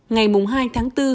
ngày hai tháng bốn